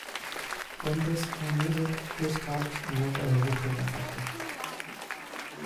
Fuentes: Allmusic, Discogs y notas del disco compacto.